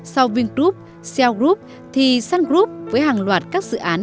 sau vingroup seo group thì sun group với hàng loạt các dự án